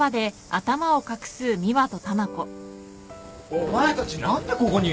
お前たち何でここに？